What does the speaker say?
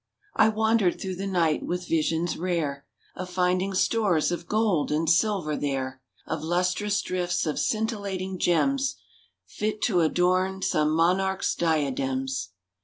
I wandered through the night with visions rare Of finding stores of gold and silver there; Of lustrous drifts of scintillating gems Fit to adorn some monarch s diadems.